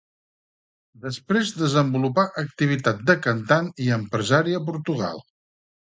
Després desenvolupà activitat de cantant i empresari a Portugal.